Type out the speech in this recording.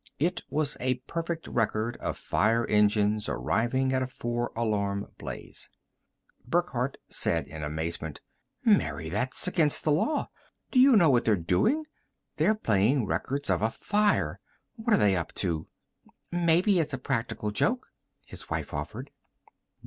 It was a perfect record of fire engines arriving at a four alarm blaze. Burckhardt said in amazement, "Mary, that's against the law! Do you know what they're doing? They're playing records of a fire. What are they up to?" "Maybe it's a practical joke," his wife offered.